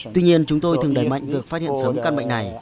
tuy nhiên chúng tôi thường đẩy mạnh việc phát hiện sớm căn bệnh này